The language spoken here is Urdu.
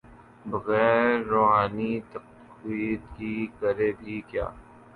بغیر روحانی تقویت کے، کرے بھی کیا۔